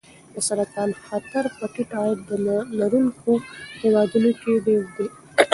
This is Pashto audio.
د سرطان خطر په ټیټ عاید لرونکو هېوادونو کې ډېر دی.